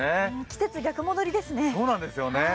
季節、逆戻りですね。